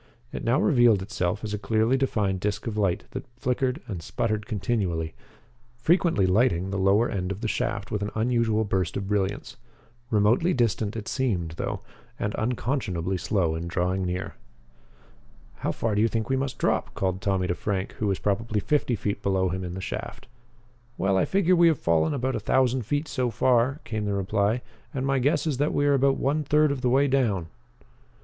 It now revealed itself as a clearly defined disc of light that flickered and sputtered continually, frequently lighting the lower end of the shaft with an unusual burst of brilliance. Remotely distant it seemed though, and unconscionably slow in drawing nearer. "How far do you think we must drop?" called Tommy to Frank, who was probably fifty feet below him in the shaft. "Well, I figure we have fallen about a thousand feet so far," came the reply, "and my guess is that we are about one third of the way down."